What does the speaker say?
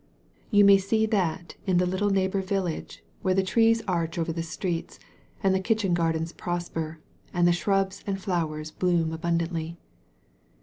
You may see that in the little neigh bor village, where the trees arch over the streets, and the kitchen gardens prosper, and the shrubs and flowers bloom abundantly.